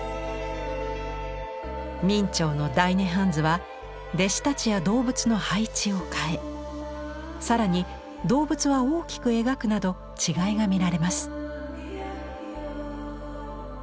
明兆の大涅槃図は弟子たちや動物の配置を変え更に動物は大きく描くなど違いが見られます。